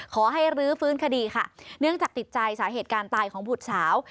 ขอให้รื้อฟื้นคดีค่ะเนื่องจากติดใจสาเหตุการณ์ตายของบุตรสาว